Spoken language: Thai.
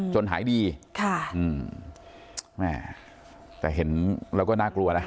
จนหายดีค่ะอืมแม่แต่เห็นแล้วก็น่ากลัวนะ